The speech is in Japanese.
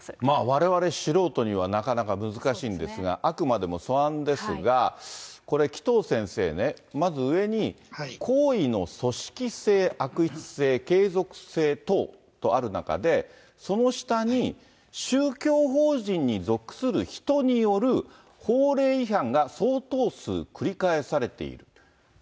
われわれ素人には、なかなか難しいんですが、あくまでも素案ですが、これ、紀藤先生ね、まず、上に行為の組織性、悪質性、継続性等とある中で、その下に、宗教法人に属する人による法令違反が相当数繰り返されている。